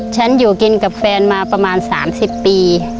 ฉันอยู่กินกับแฟนมาประมาณ๓๐ปี